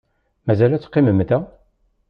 Mazal ad teqqimem da?